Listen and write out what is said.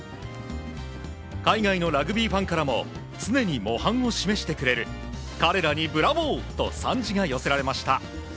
海外のラグビーファンからも、常に模範を示してくれる、彼らにブラボーと賛辞が寄せられました。